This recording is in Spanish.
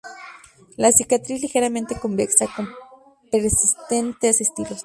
La cicatriz ligeramente convexa, con persistentes estilos.